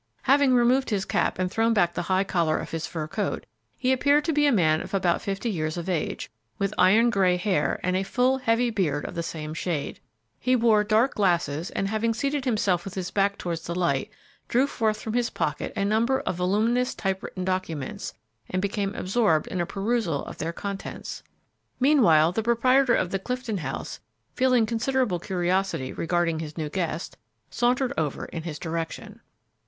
Having removed his cap and thrown back the high collar of his fur coat, he appeared to be a man of about fifty years of age, with iron gray hair and a full, heavy beard of the same shade. He wore dark glasses, and, having seated himself with his back towards the light, drew forth from his pocket a number of voluminous type written documents, and became absorbed in a perusal of their contents. Meanwhile, the proprietor of the Clifton House, feeling considerable curiosity regarding his new guest, sauntered over in his direction.